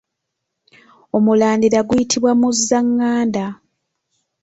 Omulandira guyitibwa muzzanganda.